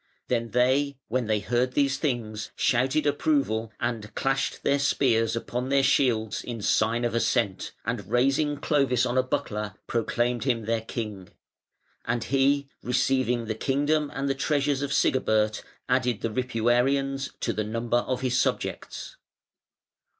Then they, when they heard these things, shouted approval and clashed their spears upon their shields in sign of assent, and raising Clovis on a buckler proclaimed him their king. And he receiving the kingdom and the treasures of Sigebert added the Ripuanans to the number of his subjects.